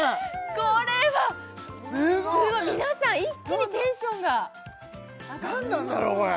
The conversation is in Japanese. これはすごい皆さん一気にテンションが何なんだろうこれ？